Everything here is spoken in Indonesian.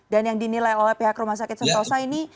dan yang dinilai oleh pihak rumah sakit sentosa ini